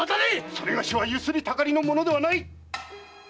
それがしは強請り・たかりの者ではない！